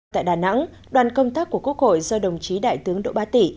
tại đà nẵng đoàn công tác của quốc hội do đồng chí đại tướng đỗ ba tỷ